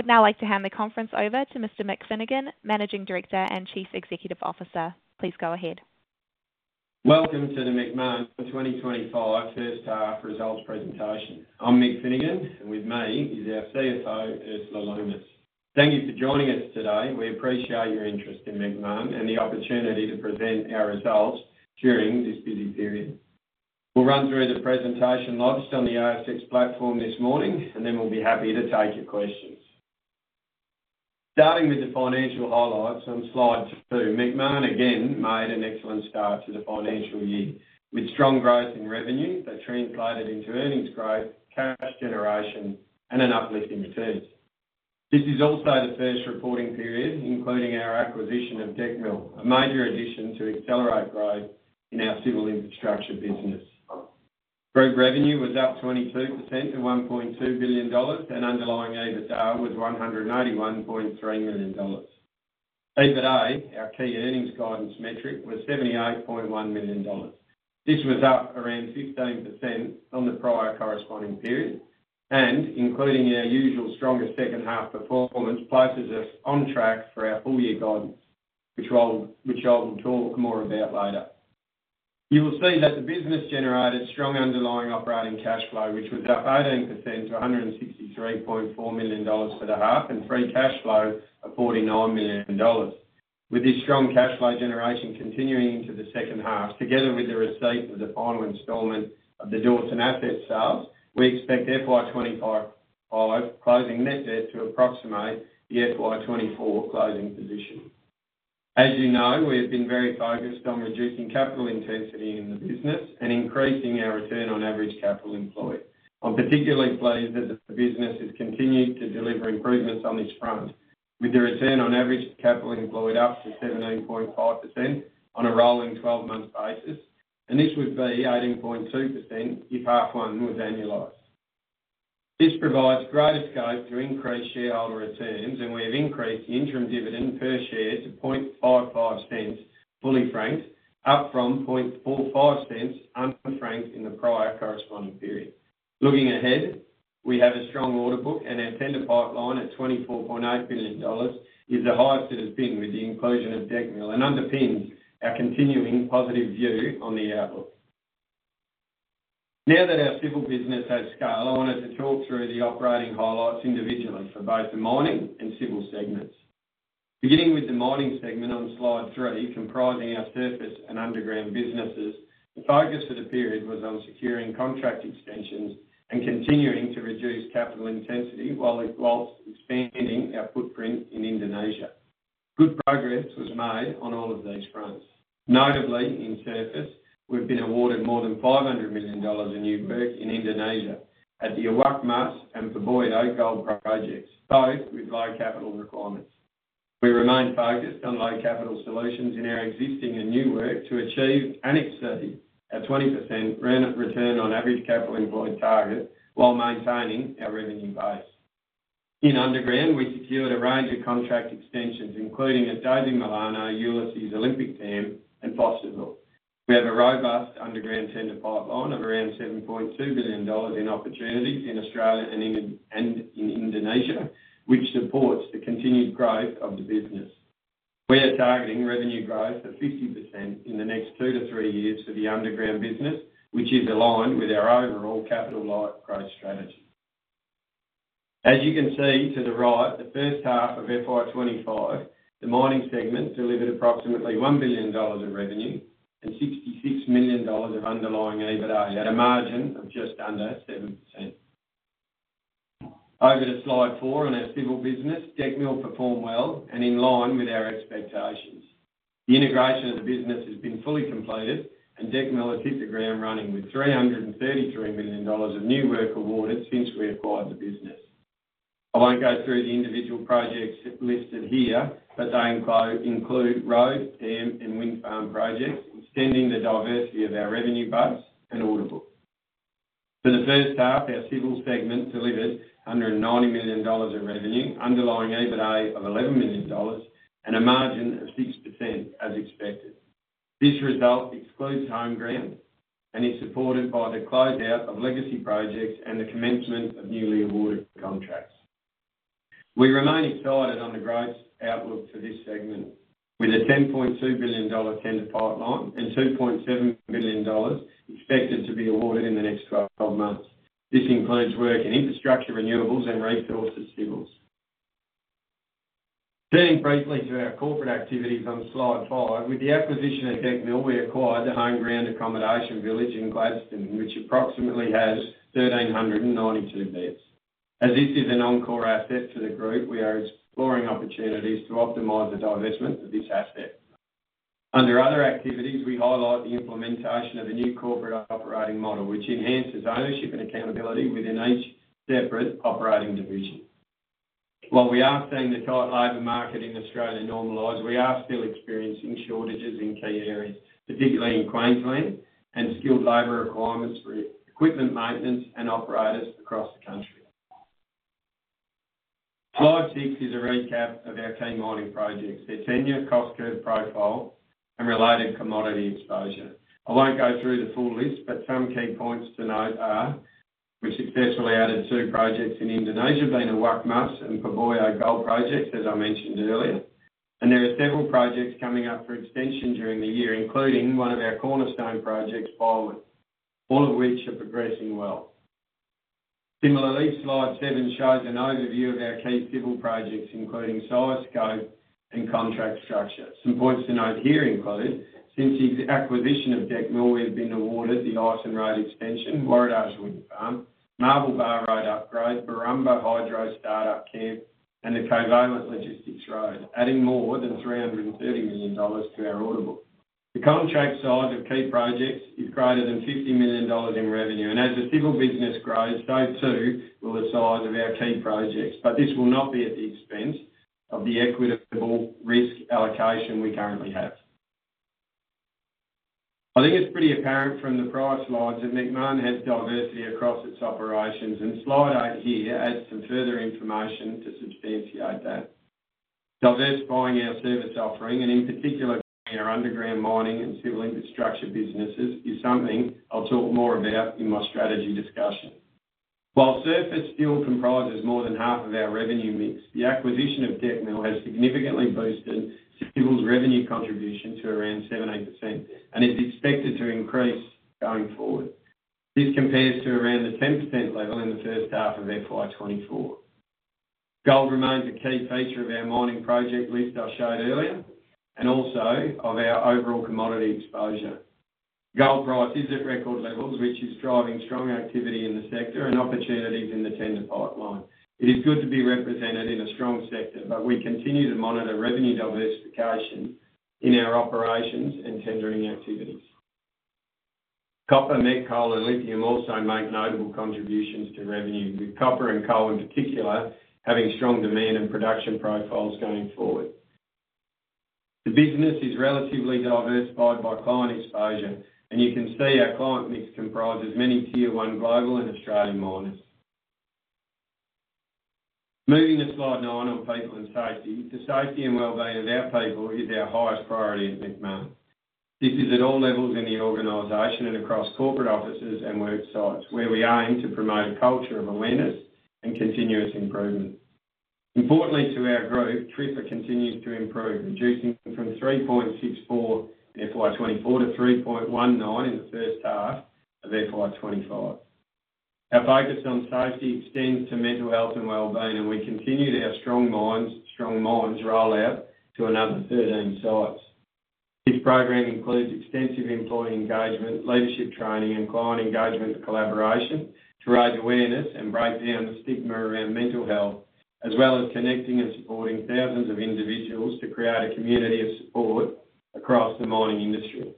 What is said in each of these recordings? I would now like to hand the conference over to Mr. Michael Finnegan, Managing Director and Chief Executive Officer. Please go ahead. Welcome to the Macmahon 2025 First Half Results Presentation. I'm Michael Finnegan, and with me is our CFO, Ursula Lummis. Thank you for joining us today. We appreciate your interest in Macmahon and the opportunity to present our results during this busy period. We'll run through the presentation launched on the ASX platform this morning, and then we'll be happy to take your questions. Starting with the financial highlights on slide two, Macmahon again made an excellent start to the financial year with strong growth in revenue that translated into earnings growth, cash generation, and an uplift in returns. This is also the first reporting period, including our acquisition of Decmil, a major addition to accelerate growth in our civil infrastructure business. Group revenue was up 22% to 1.2 billion dollars, and underlying EBITDA was 181.3 million dollars. EBITA, our key earnings guidance metric, was 78.1 million dollars. This was up around 15% on the prior corresponding period, and including our usual stronger second half performance places us on track for our full year guidance, which I will talk more about later. You will see that the business generated strong underlying operating cash flow, which was up 18% to 163.4 million dollars for the half, and free cash flow of 49 million dollars. With this strong cash flow generation continuing into the second half, together with the receipt of the final installment of the Dawson asset sales, we expect FY25 closing net debt to approximate the FY24 closing position. As you know, we have been very focused on reducing capital intensity in the business and increasing our return on average capital employed. I'm particularly pleased that the business has continued to deliver improvements on this front, with the return on average capital employed up to 17.5% on a rolling 12-month basis, and this would be 18.2% if half one was annualized. This provides greater scope to increase shareholder returns, and we have increased the interim dividend per share to 0.0055, fully franked, up from 0.0045 unfranked in the prior corresponding period. Looking ahead, we have a strong order book, and our tender pipeline at 24.8 billion dollars is the highest it has been with the inclusion of Decmil and underpins our continuing positive view on the outlook. Now that our civil business has scaled, I wanted to talk through the operating highlights individually for both the mining and civil segments. Beginning with the mining segment on slide three, comprising our surface and underground businesses, the focus for the period was on securing contract extensions and continuing to reduce capital intensity while expanding our footprint in Indonesia. Good progress was made on all of these fronts. Notably, in surface, we've been awarded more than 500 million dollars in new work in Indonesia at the Awak Mas and Poboya Gold projects, both with low capital requirements. We remain focused on low capital solutions in our existing and new work to achieve and exceed a 20% return on average capital employed target while maintaining our revenue base. In underground, we secured a range of contract extensions, including a Daisy Milano, Ulysses, Olympic Dam, and Fosterville. We have a robust underground tender pipeline of around 7.2 billion dollars in opportunities in Australia and in Indonesia, which supports the continued growth of the business. We are targeting revenue growth of 50% in the next two to three years for the underground business, which is aligned with our overall capital growth strategy. As you can see to the right, the first half of FY25, the mining segment delivered approximately 1 billion dollars of revenue and 66 million dollars of underlying EBITDA at a margin of just under 7%. Over to slide four on our civil business, Decmil performed well and in line with our expectations. The integration of the business has been fully completed, and Decmil has hit the ground running with AUD 333 million of new work awarded since we acquired the business. I won't go through the individual projects listed here, but they include road, dam, and wind farm projects, extending the diversity of our revenue base and order book. For the first half, our civil segment delivered under 90 million dollars of revenue, underlying EBITDA of 11 million dollars, and a margin of 6% as expected. This result excludes Homeground, and it's supported by the closeout of legacy projects and the commencement of newly awarded contracts. We remain excited on the growth outlook for this segment, with a 10.2 billion dollar tender pipeline and 2.7 billion dollars expected to be awarded in the next 12 months. This includes work in infrastructure, renewables, and resources civils. Turning briefly to our corporate activities on slide five, with the acquisition of Decmil, we acquired the Homeground Accommodation Village in Gladstone, which approximately has 1,392 beds. As this is a non-core asset for the group, we are exploring opportunities to optimize the divestment of this asset. Under other activities, we highlight the implementation of a new corporate operating model, which enhances ownership and accountability within each separate operating division. While we are seeing the tight labor market in Australia normalize, we are still experiencing shortages in key areas, particularly in Queensland, and skilled labor requirements for equipment maintenance and operators across the country. Slide six is a recap of our key mining projects, their tenure, cost curve profile, and related commodity exposure. I won't go through the full list, but some key points to note are, we successfully added two projects in Indonesia, being Awak Mas and Poboya Gold projects, as I mentioned earlier, and there are several projects coming up for extension during the year, including one of our cornerstone projects, Byerwen, all of which are progressing well. Similarly, slide seven shows an overview of our key civil projects, including size scope and contract structure. Some points to note here include, since the acquisition of Decmil, we have been awarded the Ison Road extension, Warradarge Wind Farm, Marble Bar Road upgrade, Borumba Pumped Hydro start-up camp, and the Covalent Logistics Road, adding more than 330 million dollars to our order book. The contract size of key projects is greater than 50 million dollars in revenue, and as the civil business grows, so too will the size of our key projects, but this will not be at the expense of the equitable risk allocation we currently have. I think it's pretty apparent from the prior slides that Macmahon has diversity across its operations, and slide eight here adds some further information to substantiate that. Diversifying our service offering, and in particular, our underground mining and civil infrastructure businesses, is something I'll talk more about in my strategy discussion. While surface steel comprises more than half of our revenue mix, the acquisition of Decmil has significantly boosted civil's revenue contribution to around 7%, and it's expected to increase going forward. This compares to around the 10% level in the first half of FY24. Gold remains a key feature of our mining project list I showed earlier, and also of our overall commodity exposure. Gold price is at record levels, which is driving strong activity in the sector and opportunities in the tender pipeline. It is good to be represented in a strong sector, but we continue to monitor revenue diversification in our operations and tendering activities. Copper, metals, and lithium also make notable contributions to revenue, with copper and coal in particular having strong demand and production profiles going forward. The business is relatively diversified by client exposure, and you can see our client mix comprises many tier one global and Australian miners. Moving to slide nine on people and safety, the safety and well-being of our people is our highest priority at Macmahon. This is at all levels in the organization and across corporate offices and worksites, where we aim to promote a culture of awareness and continuous improvement. Importantly to our group, TRIFR continues to improve, reducing from 3.64 in FY24 to 3.19 in the first half of FY25. Our focus on safety extends to mental health and well-being, and we continue our Strong Minds roll-out to another 13 sites. This program includes extensive employee engagement, leadership training, and client engagement collaboration to raise awareness and break down the stigma around mental health, as well as connecting and supporting thousands of individuals to create a community of support across the mining industry.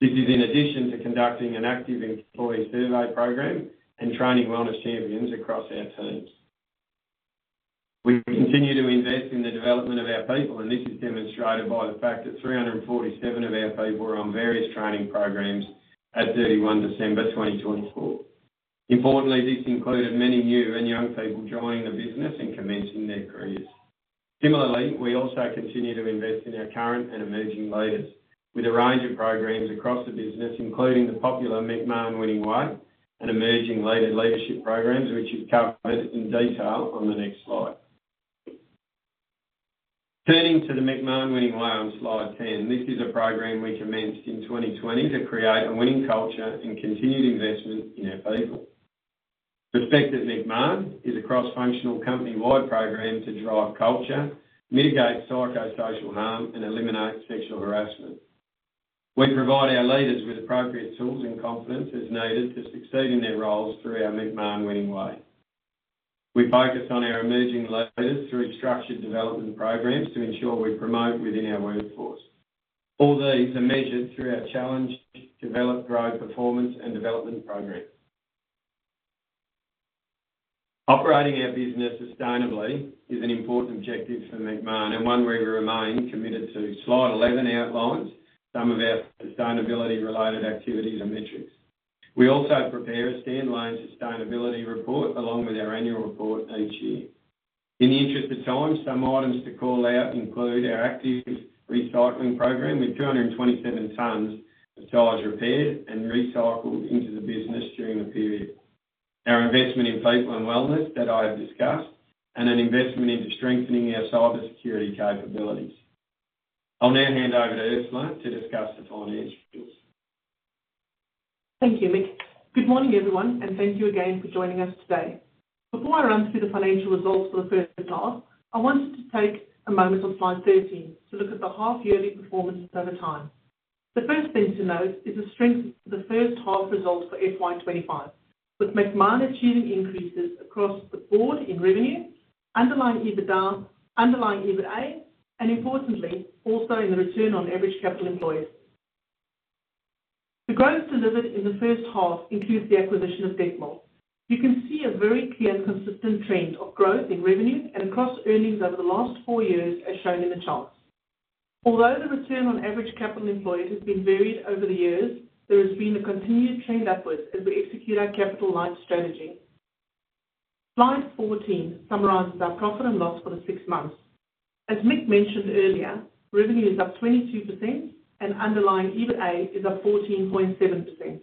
This is in addition to conducting an active employee survey program and training wellness champions across our teams. We continue to invest in the development of our people, and this is demonstrated by the fact that 347 of our people were on various training programs at 31 December 2024. Importantly, this included many new and young people joining the business and commencing their careers. Similarly, we also continue to invest in our current and emerging leaders, with a range of programs across the business, including the popular Macmahon Winning Way and emerging leader leadership programs, which is covered in detail on the next slide. Turning to the Macmahon Winning Way on slide 10, this is a program we commenced in 2020 to create a winning culture and continued investment in our people. Respect at Macmahon is a cross-functional company-wide program to drive culture, mitigate psychosocial harm, and eliminate sexual harassment. We provide our leaders with appropriate tools and confidence as needed to succeed in their roles through our Macmahon Winning Way. We focus on our emerging leaders through structured development programs to ensure we promote within our workforce. All these are measured through our challenge, develop, grow, performance, and development program. Operating our business sustainably is an important objective for Macmahon and one we remain committed to. Slide 11 outlines some of our sustainability-related activities and metrics. We also prepare a standalone sustainability report along with our annual report each year. In the interest of time, some items to call out include our active recycling program with 227 tons of solids repaired and recycled into the business during the period, our investment in people and wellness that I have discussed, and an investment into strengthening our cybersecurity capabilities. I'll now hand over to Ursula to discuss the financials. Thank you, Mick. Good morning, everyone, and thank you again for joining us today. Before I run through the financial results for the first half, I wanted to take a moment on slide 13 to look at the half-yearly performance over time. The first thing to note is the strength of the first half results for FY25, with Macmahon achieving increases across the board in revenue, underlying EBITDA, underlying EBITA, and importantly, also in the return on average capital employed. The growth delivered in the first half includes the acquisition of Decmil. You can see a very clear and consistent trend of growth in revenue and across earnings over the last four years, as shown in the charts. Although the return on average capital employed has been varied over the years, there has been a continued trend upwards as we execute our capital-light strategy. Slide 14 summarizes our profit and loss for the six months. As Mick mentioned earlier, revenue is up 22%, and underlying EBITA is up 14.7%.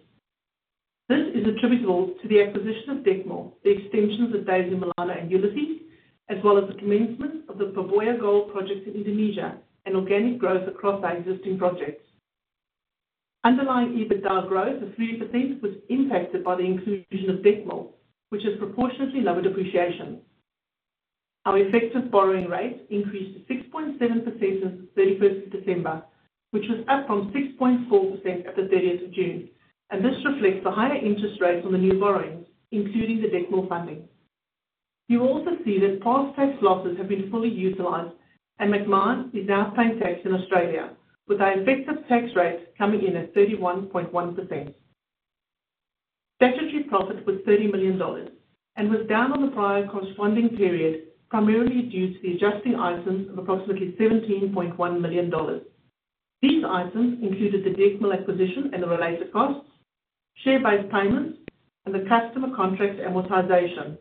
This is attributable to the acquisition of Decmil, the extensions of Daisy Milano and Ulysses, as well as the commencement of the Poboya Gold projects in Indonesia and organic growth across our existing projects. Underlying EBITDA growth of 3% was impacted by the inclusion of Decmil, which is proportionately lower depreciation. Our effective borrowing rate increased to 6.7% since the 31st of December, which was up from 6.4% at the 30th of June, and this reflects the higher interest rates on the new borrowings, including the Decmil funding. You also see that past tax losses have been fully utilized, and Macmahon is now paying tax in Australia, with our effective tax rate coming in at 31.1%. Statutory profit was 30 million dollars and was down on the prior corresponding period, primarily due to the adjusting items of approximately 17.1 million dollars. These items included the Decmil acquisition and the related costs, share-based payments, and the customer contract amortization.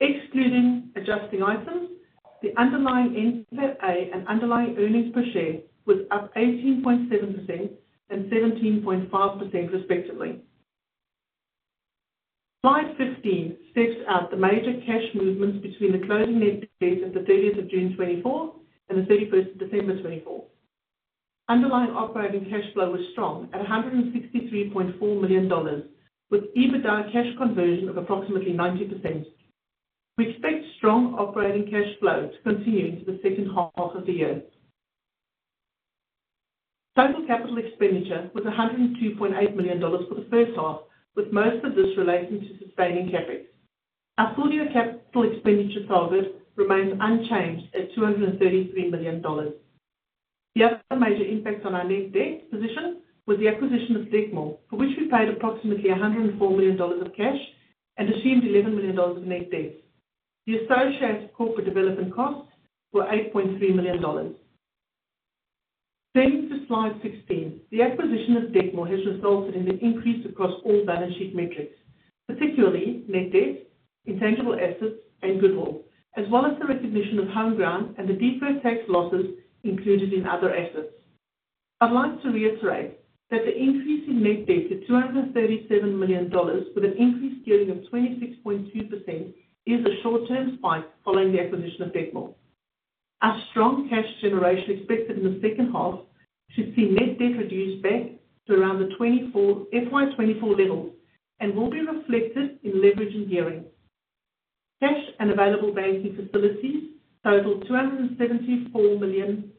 Excluding adjusting items, the underlying EBITA and underlying earnings per share was up 18.7% and 17.5%, respectively. Slide 15 sets out the major cash movements between the closing net debt of the 30th of June 2024 and the 31st of December 2024. Underlying operating cash flow was strong at 163.4 million dollars, with EBITDA cash conversion of approximately 90%. We expect strong operating cash flow to continue into the second half of the year. Total capital expenditure was 102.8 million dollars for the first half, with most of this relating to sustaining CapEx. Our full-year capital expenditure target remains unchanged at 233 million dollars. The other major impact on our net debt position was the acquisition of Decmil, for which we paid approximately 104 million dollars of cash and assumed 11 million dollars of net debt. The associated corporate development costs were 8.3 million dollars. Turning to slide 16, the acquisition of Decmil has resulted in an increase across all balance sheet metrics, particularly net debt, intangible assets, and goodwill, as well as the recognition of Homeground and the deferred tax losses included in other assets. I'd like to reiterate that the increase in net debt to 237 million dollars, with an increase during of 26.2%, is a short-term spike following the acquisition of Decmil. Our strong cash generation expected in the second half should see net debt reduced back to around the FY24 levels and will be reflected in leverage and gearing. Cash and available banking facilities totaled 274 million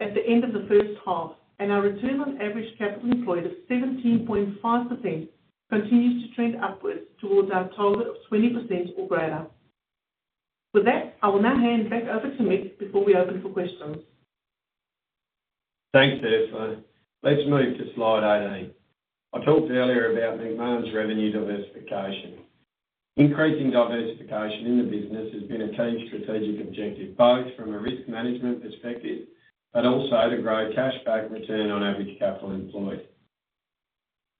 at the end of the first half, and our return on average capital employed of 17.5% continues to trend upwards towards our target of 20% or greater. With that, I will now hand back over to Mick before we open for questions. Thanks, Ursula. Let's move to slide 18. I talked earlier about Macmahon's revenue diversification. Increasing diversification in the business has been a key strategic objective, both from a risk management perspective but also to grow cash back return on average capital employed.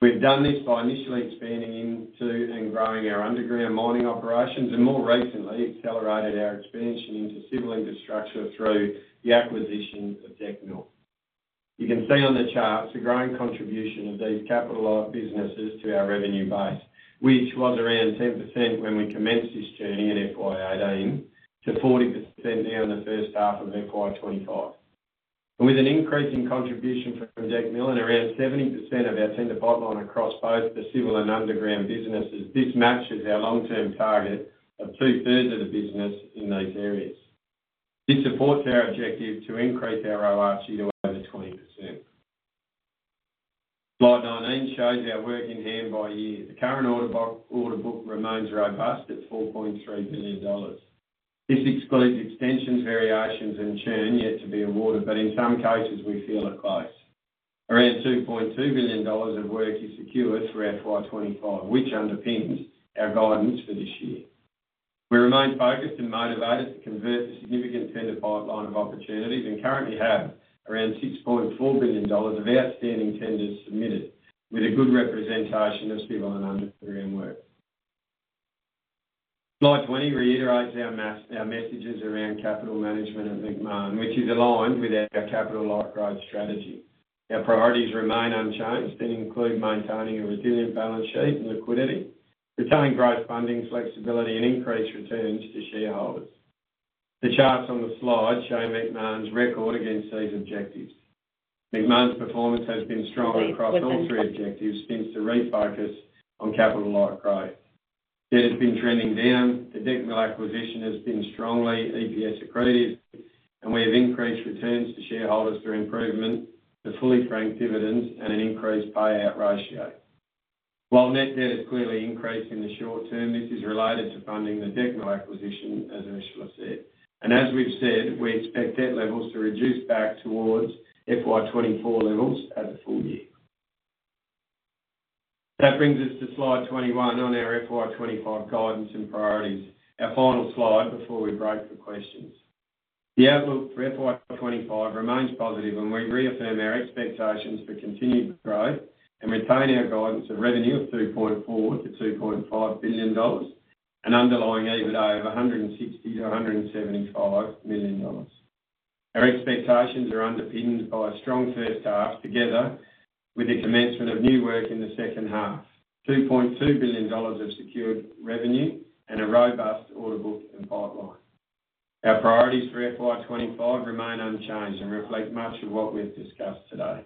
We've done this by initially expanding into and growing our underground mining operations and more recently accelerated our expansion into civil infrastructure through the acquisition of Decmil. You can see on the chart the growing contribution of these capital-light businesses to our revenue base, which was around 10% when we commenced this journey in FY18 to 40% now in the first half of FY25. With an increasing contribution from Decmil and around 70% of our tender pipeline across both the civil and underground businesses, this matches our long-term target of two-thirds of the business in those areas. This supports our objective to increase our ROACE to over 20%. Slide 19 shows our work in hand by year. The current order book remains robust at 4.3 billion dollars. This excludes extensions, variations, and churn yet to be awarded, but in some cases, we feel it close. Around 2.2 billion dollars of work is secured through FY25, which underpins our guidance for this year. We remain focused and motivated to convert the significant tender pipeline of opportunities and currently have around 6.4 billion dollars of outstanding tenders submitted, with a good representation of civil and underground work. Slide 20 reiterates our messages around capital management at Macmahon, which is aligned with our capital-light growth strategy. Our priorities remain unchanged and include maintaining a resilient balance sheet and liquidity, retaining growth funding, flexibility, and increased returns to shareholders. The charts on the slide show Macmahon's record against these objectives. Macmahon's performance has been strong across all three objectives since the refocus on capital-light growth. Debt has been trending down. The Decmil acquisition has been strongly EPS accretive, and we have increased returns to shareholders through improvement, the fully franked dividends, and an increased payout ratio. While net debt has clearly increased in the short term, this is related to funding the Decmil acquisition, as Ursula said, and as we've said, we expect debt levels to reduce back towards FY24 levels at the full year. That brings us to slide 21 on our FY25 guidance and priorities, our final slide before we break for questions. The outlook for FY25 remains positive, and we reaffirm our expectations for continued growth and retain our guidance of revenue of $2.4-$2.5 billion and underlying EBITDA of $160-$175 million. Our expectations are underpinned by a strong first half, together with the commencement of new work in the second half, $2.2 billion of secured revenue, and a robust order book and pipeline. Our priorities for FY25 remain unchanged and reflect much of what we've discussed today.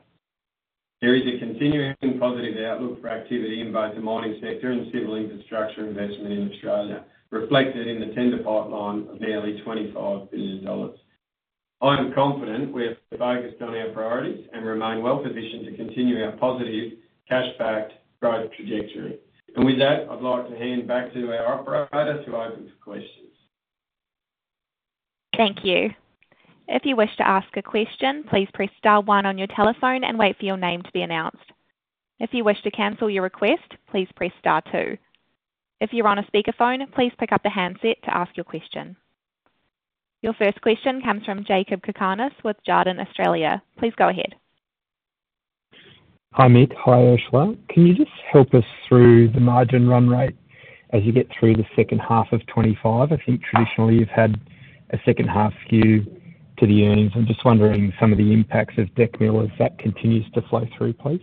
There is a continuing positive outlook for activity in both the mining sector and civil infrastructure investment in Australia, reflected in the tender pipeline of nearly 25 billion dollars. I'm confident we're focused on our priorities and remain well-positioned to continue our positive cash-backed growth trajectory. And with that, I'd like to hand back to our operator to open for questions. Thank you. If you wish to ask a question, please press star one on your telephone and wait for your name to be announced. If you wish to cancel your request, please press star two. If you're on a speakerphone, please pick up the handset to ask your question. Your first question comes from Jakob Cakarnis with Jarden. Please go ahead. Hi, Mick. Hi, Ursula. Can you just help us through the margin run rate as you get through the second half of 2025? I think traditionally you've had a second half skew to the earnings. I'm just wondering some of the impacts of Decmil as that continues to flow through, please.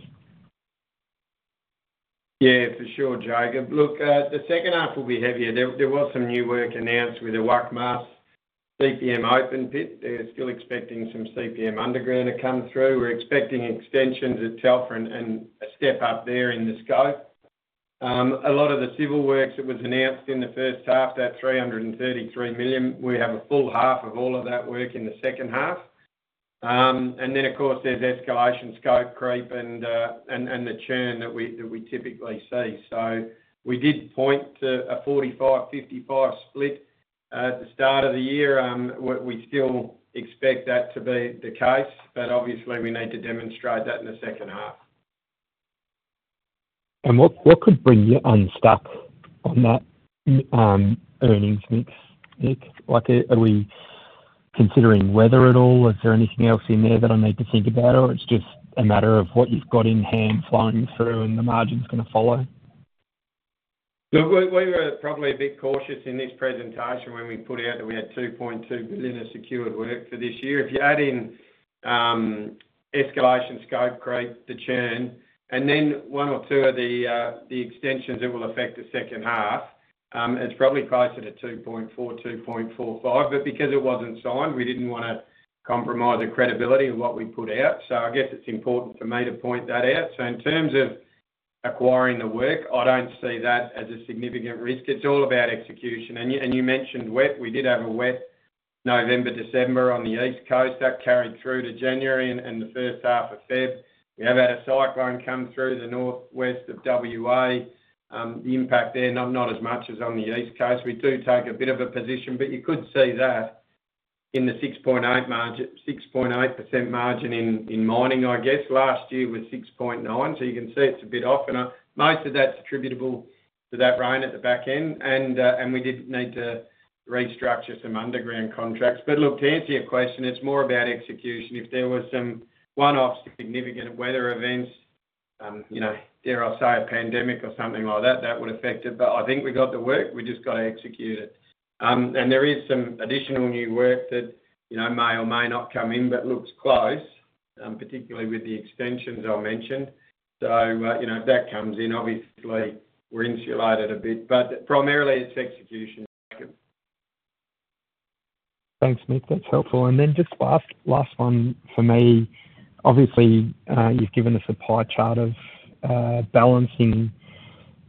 Yeah, for sure, Jakob. Look, the second half will be heavier. There was some new work announced with the Macmahon CPM open pit. They're still expecting some CPM underground to come through. We're expecting extensions at Telfer and a step up there in the scope. A lot of the civil works that was announced in the first half, that 333 million, we have a full half of all of that work in the second half. And then, of course, there's escalation scope creep and the churn that we typically see. So we did point to a 45-55 split at the start of the year. We still expect that to be the case, but obviously, we need to demonstrate that in the second half. And what could bring you unstuck on that earnings mix, Mick? Are we considering weather at all? Is there anything else in there that I need to think about, or it's just a matter of what you've got in hand flowing through and the margin's going to follow? We were probably a bit cautious in this presentation when we put out that we had 2.2 billion of secured work for this year. If you add in escalation scope creep, the churn, and then one or two of the extensions that will affect the second half, it's probably closer to 2.4-2.45 billion. But because it wasn't signed, we didn't want to compromise the credibility of what we put out. So I guess it's important for me to point that out. So in terms of acquiring the work, I don't see that as a significant risk. It's all about execution. And you mentioned wet. We did have a wet November, December on the East Coast. That carried through to January and the first half of February. We have had a cyclone come through the northwest of WA. The impact there, not as much as on the East Coast. We do take a bit of a hit, but you could see that in the 6.8% margin in mining, I guess. Last year was 6.9. So you can see it's a bit off. And most of that's attributable to that rain at the back end. And we did need to restructure some underground contracts. But look, to answer your question, it's more about execution. If there were some one-off significant weather events, dare I say a pandemic or something like that, that would affect it. But I think we got the work. We just got to execute it. And there is some additional new work that may or may not come in but looks close, particularly with the extensions I mentioned. So if that comes in, obviously, we're insulated a bit. But primarily, it's execution, Jakob. Thanks, Mick. That's helpful. And then just last one for me. Obviously, you've given us a pie chart of balancing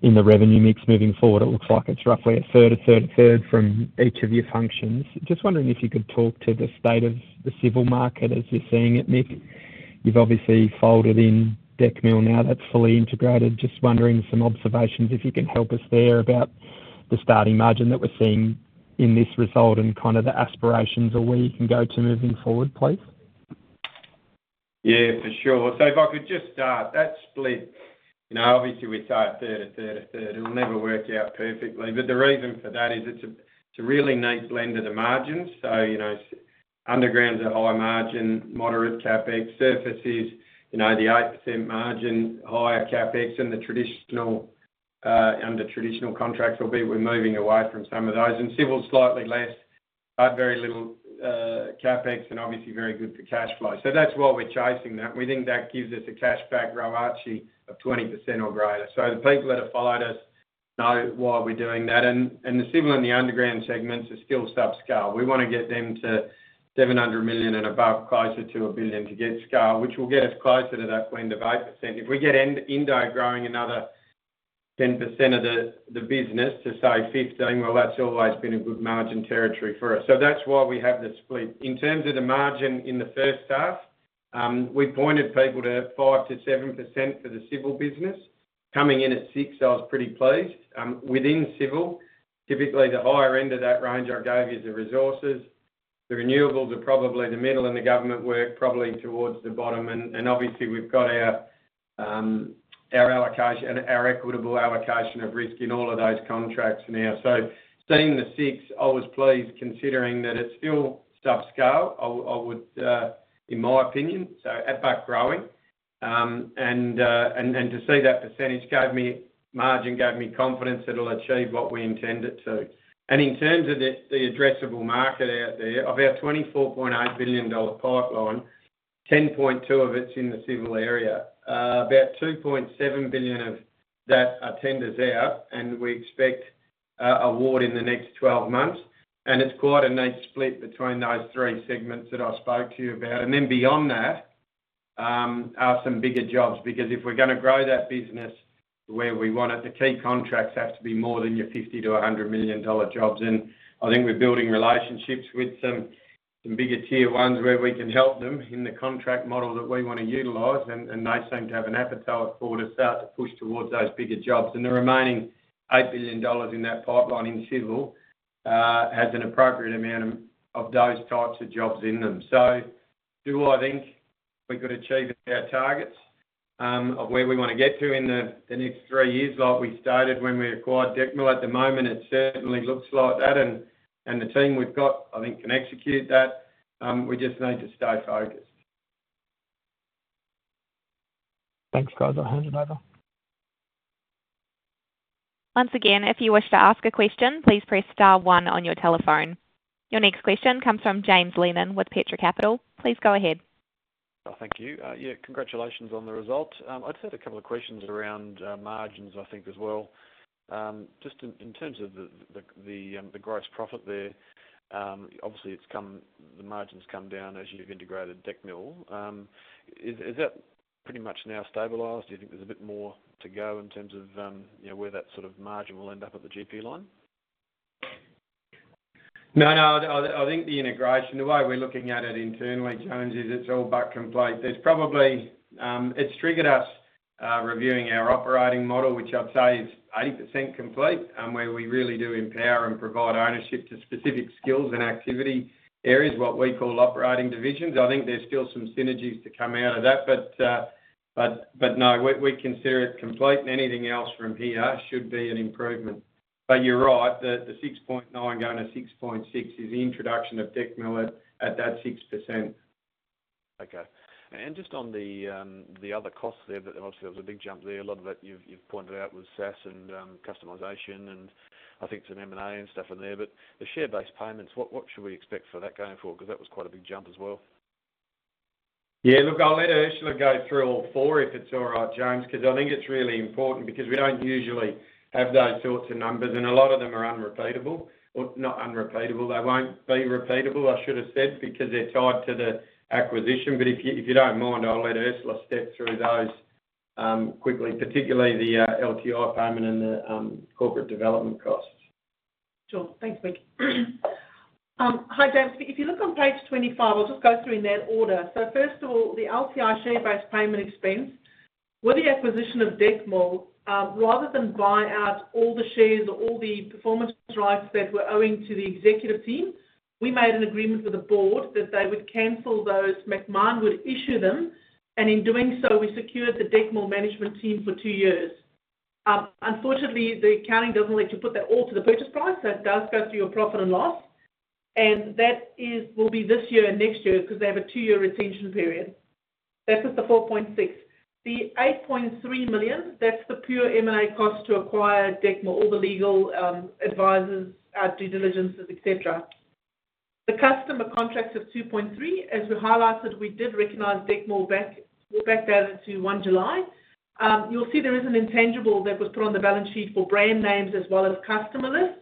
in the revenue mix moving forward. It looks like it's roughly a third, a third, a third from each of your functions. Just wondering if you could talk to the state of the civil market as you're seeing it, Mick. You've obviously folded in Decmil now. That's fully integrated. Just wondering, some observations if you can help us there about the starting margin that we're seeing in this result and kind of the aspirations or where you can go to moving forward, please. Yeah, for sure. If I could just start that split, obviously, we say a third, a third, a third. It'll never work out perfectly. The reason for that is it's a really neat blend of the margins. Underground's a high margin, moderate CapEx. Surface is the 8% margin, higher CapEx. The traditional underground contracts will be, we're moving away from some of those. Civil's slightly less, but very little CapEx and obviously very good for cash flow. That's why we're chasing that. We think that gives us a cash-back royalty of 20% or greater. The people that have followed us know why we're doing that. The civil and the underground segments are still subscale. We want to get them to 700 million and above, closer to a billion to get scale, which will get us closer to that blend of 8%. If we get Indo growing another 10% of the business to, say, 15, well, that's always been a good margin territory for us. So that's why we have the split. In terms of the margin in the first half, we pointed people to 5%-7% for the civil business. Coming in at 6%, I was pretty pleased. Within civil, typically the higher end of that range I gave you is the resources. The renewables are probably the middle, and the government work probably towards the bottom. Obviously, we've got our equitable allocation of risk in all of those contracts now. So seeing the 6%, I was pleased considering that it's still subscale, in my opinion, so it's but growing. And to see that percentage gave me margin, gave me confidence it'll achieve what we intended to. And in terms of the addressable market out there, of our 24.8 billion dollar pipeline, 10.2 billion of it's in the civil area. About 2.7 billion of that are tenders out, and we expect award in the next 12 months. And it's quite a neat split between those three segments that I spoke to you about. And then beyond that are some bigger jobs because if we're going to grow that business to where we want it, the key contracts have to be more than your 50 million-100 million dollar jobs. And I think we're building relationships with some bigger tier ones where we can help them in the contract model that we want to utilize. And they seem to have an appetite to push towards those bigger jobs. And the remaining 8 billion dollars in that pipeline in civil has an appropriate amount of those types of jobs in them. So do I think we could achieve our targets of where we want to get to in the next three years like we started when we acquired Decmil? At the moment, it certainly looks like that. And the team we've got, I think, can execute that. We just need to stay focused. Thanks, guys. I'll hand it over. Once again, if you wish to ask a question, please press star one on your telephone. Your next question comes from James Lennon with Petra Capital. Please go ahead. Thank you. Yeah, congratulations on the result. I just had a couple of questions around margins, I think, as well. Just in terms of the gross profit there, obviously, the margins come down as you've integrated Decmil. Is that pretty much now stabilized? Do you think there's a bit more to go in terms of where that sort of margin will end up at the GP line? No, no. I think the integration, the way we're looking at it internally, James, is it's all but complete. It's triggered us reviewing our operating model, which I'd say is 80% complete, where we really do empower and provide ownership to specific skills and activity areas, what we call operating divisions. I think there's still some synergies to come out of that. But no, we consider it complete. And anything else from here should be an improvement. But you're right, the 6.9% going to 6.6% is the introduction of Decmil at that 6%. Okay. Just on the other costs there, obviously, there was a big jump there. A lot of it you've pointed out was SaaS and customization. I think some M&A and stuff in there. The share-based payments, what should we expect for that going forward? Because that was quite a big jump as well. Yeah. Look, I'll let Ursula go through all four if it's all right, James, because I think it's really important because we don't usually have those sorts of numbers. A lot of them are unrepeatable. Not unrepeatable. They won't be repeatable, I should have said, because they're tied to the acquisition. If you don't mind, I'll let Ursula step through those quickly, particularly the LTI payment and the corporate development costs. Sure. Thanks, Mick. Hi, James. If you look on page 25, I'll just go through in that order. First of all, the LTI share-based payment expense, with the acquisition of Decmil, rather than buy out all the shares or all the performance rights that we're owing to the executive team, we made an agreement with the board that they would cancel those. Macmahon would issue them. And in doing so, we secured the Decmil management team for two years. Unfortunately, the accounting doesn't let you put that all to the purchase price. That does go through your profit and loss. And that will be this year and next year because they have a two-year retention period. That's at the 4.6 million. The 8.3 million, that's the pure M&A cost to acquire Decmil, all the legal advisors, due diligences, etc. The customer contracts of 2.3 million, as we highlighted, we did recognise Decmil backdated into 1 July. You'll see there is an intangible that was put on the balance sheet for brand names as well as customer lists.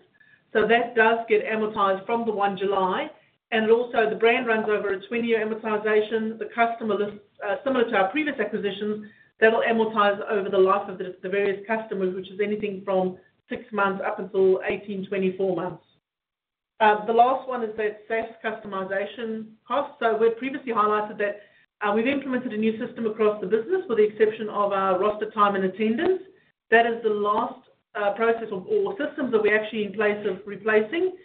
So that does get amortized from the 1 July. And also, the brand runs over a 20-year amortization. The customer lists, similar to our previous acquisitions, that'll amortize over the life of the various customers, which is anything from six months up until 18 months-24 months. The last one is that SaaS customization cost. So we've previously highlighted that we've implemented a new system across the business with the exception of our roster time and attendance. That is the last process or systems that we actually in place of replacing.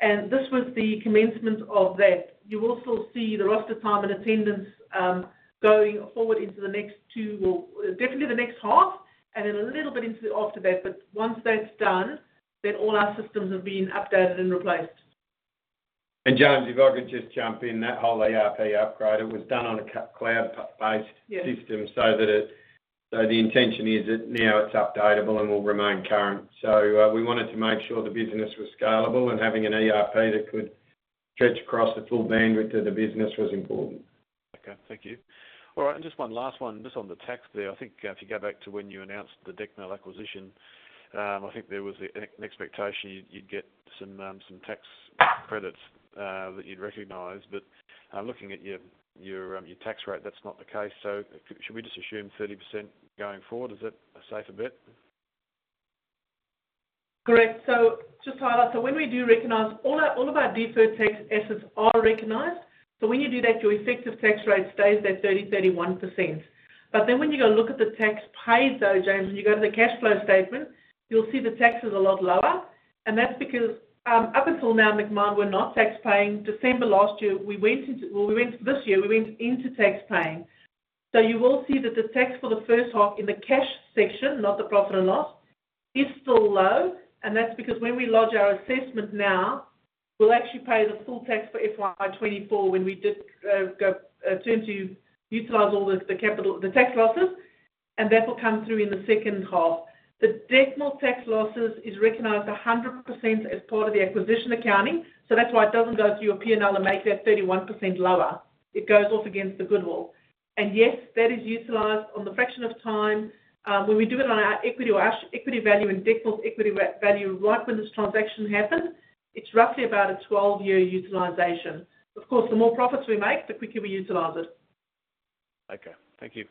And this was the commencement of that. You will still see the roster time and attendance going forward into the next two, well, definitely the next half, and then a little bit after that. But once that's done, then all our systems have been updated and replaced. And James, if I could just jump in, that whole ERP upgrade, it was done on a cloud-based system so that the intention is that now it's updatable and will remain current. So we wanted to make sure the business was scalable, and having an ERP that could stretch across the full bandwidth of the business was important. Okay. Thank you. All right. And just one last one, just on the tax there. I think if you go back to when you announced the Decmil acquisition, I think there was an expectation you'd get some tax credits that you'd recognize. But looking at your tax rate, that's not the case. So should we just assume 30% going forward? Is that a safer bet? Correct. So just to highlight, so when we do recognize, all of our deferred tax assets are recognized. So when you do that, your effective tax rate stays that 30%-31%. But then when you go look at the tax paid, though, James, when you go to the cash flow statement, you'll see the tax is a lot lower. And that's because up until now, Macmahon, we're not tax paying. December last year, we went into well, we went into this year, we went into tax paying. So you will see that the tax for the first half in the cash section, not the profit and loss, is still low. And that's because when we lodge our assessment now, we'll actually pay the full tax for FY 2024 when we turn to utilize all the tax losses, and that will come through in the second half. The Decmil tax losses is recognized 100% as part of the acquisition accounting. So that's why it doesn't go through your P&L and make that 31% lower. It goes off against the goodwill. And yes, that is utilized on the fraction of time when we do it on our equity or equity value and Decmil's equity value right when this transaction happened, it's roughly about a 12-year utilization. Of course, the more profits we make, the quicker we utilize it. Okay. Thank you.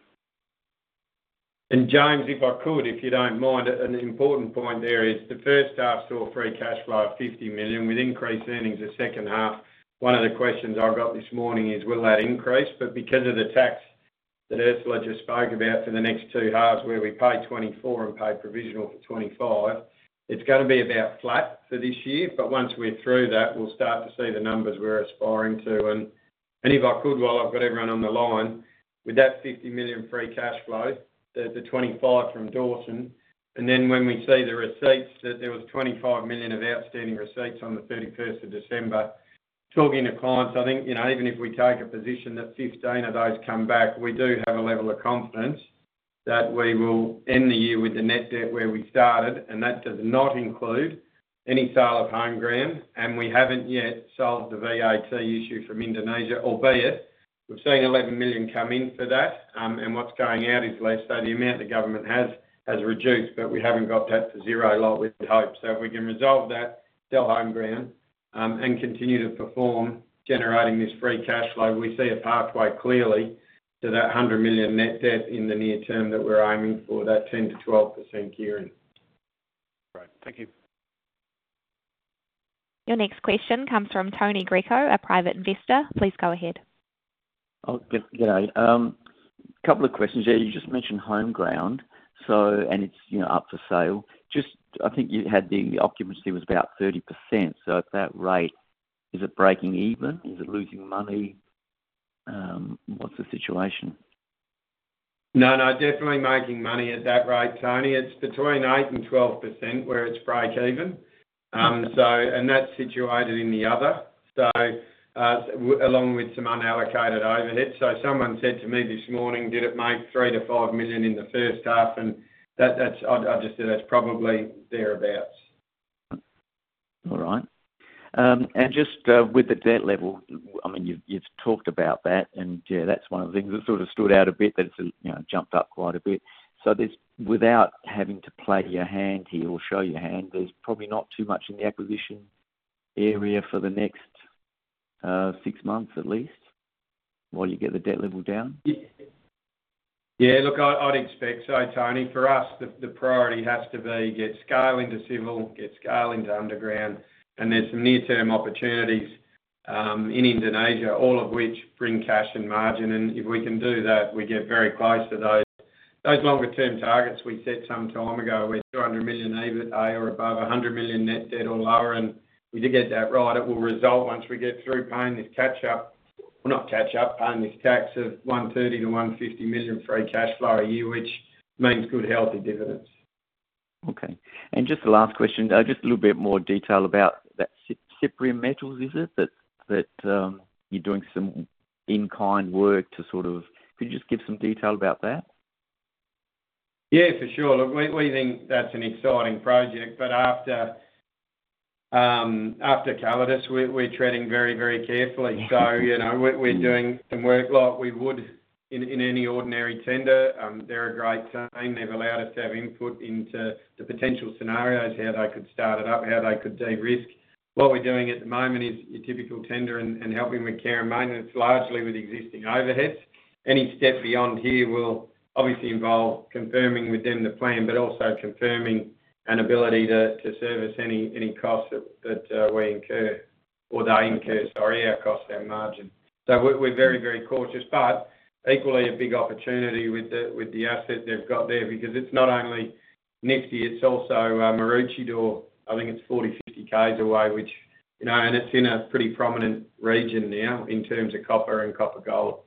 And James, if I could, if you don't mind, an important point there is the first half saw free cash flow of 50 million with increased earnings the second half. One of the questions I got this morning is, will that increase? But because of the tax that Ursula just spoke about for the next two halves, where we paid 2024 and paid provisional for 2025, it's going to be about flat for this year. But once we're through that, we'll start to see the numbers we're aspiring to. And if I could, while I've got everyone on the line, with that 50 million free cash flow, the 25 from Dawson, and then when we see the receipts that there was 25 million of outstanding receipts on the 31st of December, talking to clients, I think even if we take a position that 15 of those come back, we do have a level of confidence that we will end the year with the net debt where we started. And that does not include any sale of Homeground. We haven't yet solved the VAT issue from Indonesia, albeit we've seen 11 million come in for that. And what's going out is less. So the amount the government has reduced, but we haven't got that to zero like we'd hope. So if we can resolve that, sell Homeground, and continue to perform, generating this free cash flow, we see a pathway clearly to that 100 million net debt in the near term that we're aiming for, that 10%-12% year-in. All right. Thank you. Your next question comes from Tony Greco, a private investor. Please go ahead. Oh, good day. A couple of questions here. You just mentioned Homeground, and it's up for sale. I think you had the occupancy was about 30%. So at that rate, is it breaking even? Is it losing money? What's the situation? No, no. Definitely making money at that rate, Tony. It's between 8% and 12% where it's break-even. And that's situated in the other, along with some unallocated overhead. So someone said to me this morning, "Did it make 3 million to 5 million in the first half?" And I'd just say that's probably thereabouts. All right. And just with the debt level, I mean, you've talked about that. And yeah, that's one of the things that sort of stood out a bit, that it's jumped up quite a bit. So without having to play your hand here or show your hand, there's probably not too much in the acquisition area for the next six months, at least, while you get the debt level down? Yeah. Look, I'd expect so, Tony. For us, the priority has to be get scale into civil, get scale into underground. There's some near-term opportunities in Indonesia, all of which bring cash and margin. If we can do that, we get very close to those longer-term targets we set some time ago, where 200 million EBITDA or above, 100 million net debt or lower. If we do get that right, it will result, once we get through paying this catch-up, well, not catch-up, paying this tax of 130 million to 150 million free cash flow a year, which means good, healthy dividends. Okay. Just the last question, just a little bit more detail about that Cyprium Metals, is it, that you're doing some in-kind work to sort of, could you just give some detail about that? Yeah, for sure. Look, we think that's an exciting project, but after Calidus, we're treading very, very carefully, so we're doing some work like we would in any ordinary tender. They're a great team. They've allowed us to have input into the potential scenarios, how they could start it up, how they could de-risk. What we're doing at the moment is your typical tender and helping with care and maintenance, largely with existing overheads. Any step beyond here will obviously involve confirming with them the plan, but also confirming an ability to service any costs that we incur or they incur, sorry, our cost and margin. So we're very, very cautious. But equally, a big opportunity with the asset they've got there because it's not only Nifty, it's also Maroochydore, I think it's 40 km-50 km away, which—and it's in a pretty prominent region now in terms of copper and copper gold.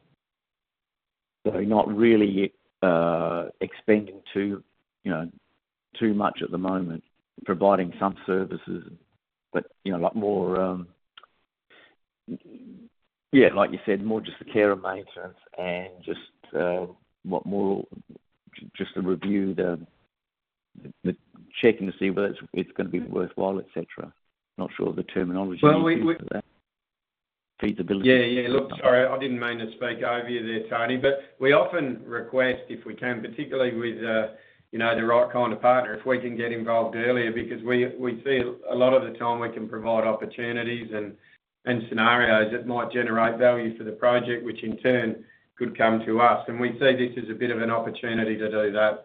So not really expending too much at the moment, providing some services, but more, yeah, like you said, more just the care and maintenance and just more just to review the checking to see whether it's going to be worthwhile, etc. Not sure of the terminology. Well, feasibility. Yeah, yeah. Look, sorry, I didn't mean to speak over you there, Tony. But we often request, if we can, particularly with the right kind of partner, if we can get involved earlier because we see a lot of the time we can provide opportunities and scenarios that might generate value for the project, which in turn could come to us. And we see this as a bit of an opportunity to do that.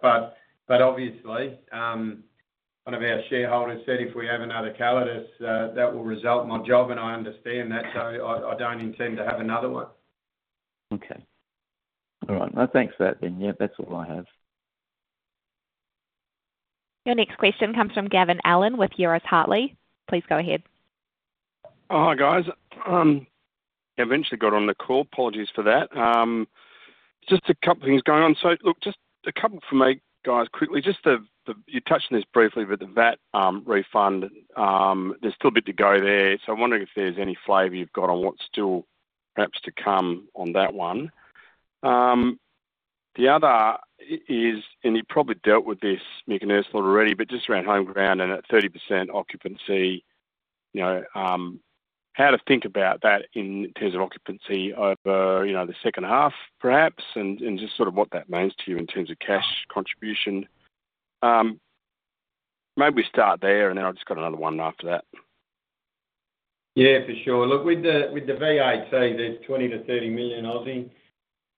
But obviously, one of our shareholders said if we have another Calidus, that will result. My job, and I understand that. So I don't intend to have another one. Okay. All right. No, thanks for that then. Yeah, that's all I have. Your next question comes from Gavin Allen with Euroz Hartleys. Please go ahead. Hi, guys. I eventually got on the call. Apologies for that. Just a couple of things going on. So look, just a couple for me, guys, quickly. Just you touched on this briefly with the VAT refund. There's still a bit to go there. So I wonder if there's any flavor you've got on what's still perhaps to come on that one. The other is, and you've probably dealt with this, Mick and Ursula already, but just around Homeground and at 30% occupancy, how to think about that in terms of occupancy over the second half, perhaps, and just sort of what that means to you in terms of cash contribution. Maybe we start there, and then I've just got another one after that. Yeah, for sure. Look, with the VAT, there's $20-$30 million, Ossie.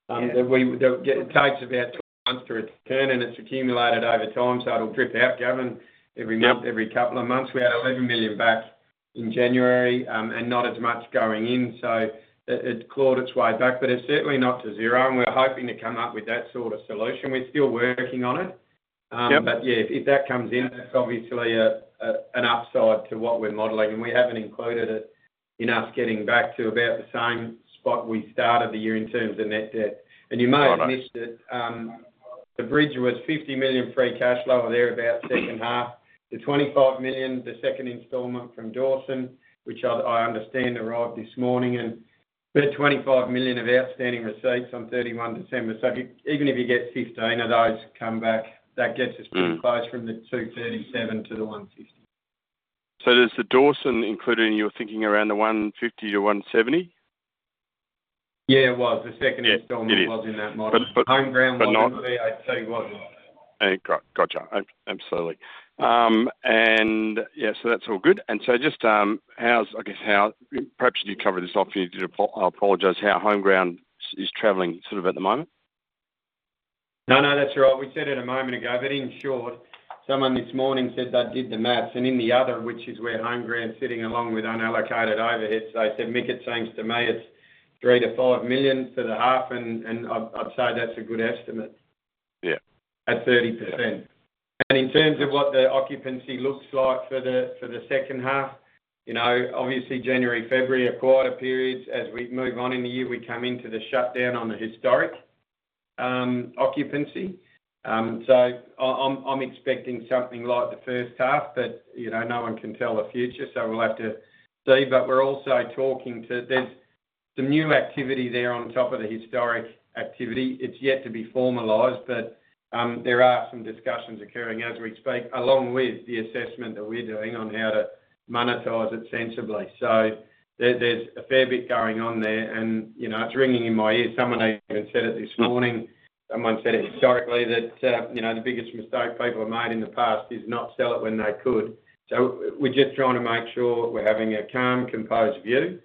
It takes about 12 months to return, and it's accumulated over time. So it'll drip out, Gavin, every couple of months. We had $11 million back in January and not as much going in. So it's clawed its way back, but it's certainly not to zero. And we're hoping to come up with that sort of solution. We're still working on it. But yeah, if that comes in, that's obviously an upside to what we're modeling. And we haven't included it in us getting back to about the same spot we started the year in terms of net debt. And you may have missed it. The bridge was $50 million free cash flow thereabout second half. The 25 million, the second installment from Dawson, which I understand arrived this morning, and we had 25 million of outstanding receipts on 31 December. So even if you get 15 million, those come back. That gets us pretty close from the 237 million to the 150 million. So there's the Dawson included in your thinking around the 150 million to 170 million? Yeah, it was. The second installment was in that model. Homeground wasn't. VAT wasn't. Gotcha. Absolutely. And yeah, so that's all good. And so just, I guess, how perhaps you covered this off, and you did apologize, how Homeground is traveling sort of at the moment? No, no, that's right. We said it a moment ago. But in short, someone this morning said they did the math. In the other, which is where Homeground is sitting along with unallocated overhead, they said, "Mick, it seems to me it's 3 million-5 million for the half." I'd say that's a good estimate at 30%. In terms of what the occupancy looks like for the second half, obviously, January, February are quieter periods. As we move on in the year, we come into the shutdown on the historic occupancy. I'm expecting something like the first half, but no one can tell the future. We'll have to see. We're also talking. There's some new activity there on top of the historic activity. It's yet to be formalized, but there are some discussions occurring as we speak, along with the assessment that we're doing on how to monetize it sensibly. There's a fair bit going on there. It's ringing in my ears. Someone even said it this morning. Someone said it historically that the biggest mistake people have made in the past is not sell it when they could. So we're just trying to make sure we're having a calm, composed view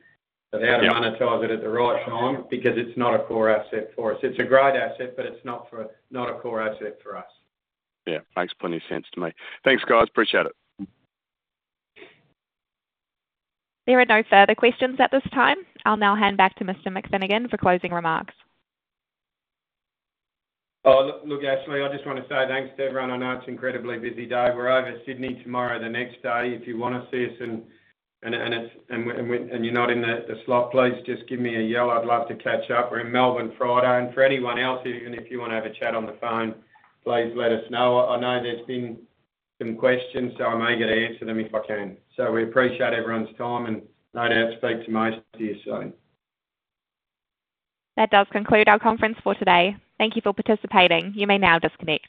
of how to monetize it at the right time because it's not a core asset for us. It's a great asset, but it's not a core asset for us. Yeah. Makes plenty of sense to me. Thanks, guys. Appreciate it. There are no further questions at this time. I'll now hand back to Mr. Finnegan for closing remarks. Look, Ashley, I just want to say thanks to everyone. I know it's an incredibly busy day. We're over Sydney tomorrow, the next day. If you want to see us and you're not in the slot, please just give me a yell. I'd love to catch up. We're in Melbourne Friday. For anyone else, even if you want to have a chat on the phone, please let us know. I know there's been some questions, so I may get to answer them if I can. We appreciate everyone's time, and no doubt speak to most of you soon. That does conclude our conference for today. Thank you for participating. You may now disconnect.